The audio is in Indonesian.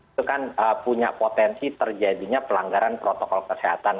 itu kan punya potensi terjadinya pelanggaran protokol kesehatan